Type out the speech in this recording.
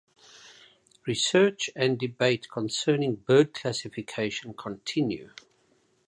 Research and debate concerning bird classification continue.